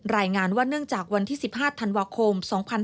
รายงานว่าเนื่องจากวันที่๑๕ธันวาคม๒๕๕๙